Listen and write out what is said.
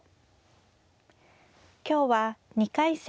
今日は２回戦